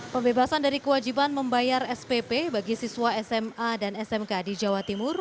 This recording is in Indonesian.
pembebasan dari kewajiban membayar spp bagi siswa sma dan smk di jawa timur